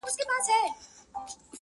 دا حلال به لا تر څو پر موږ حرام وي-